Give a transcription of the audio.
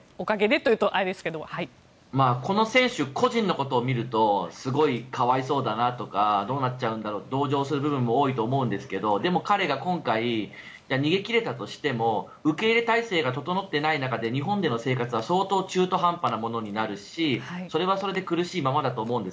この選手個人のことを見るとすごい可哀想だなとかどうなっちゃうんだろうって同情する部分も多いと思うんですがでも彼が今回、逃げ切れたとしても受け入れ態勢が整っていない中で日本での生活は相当中途半端なものになるしそれはそれで苦しいままだと思うんです。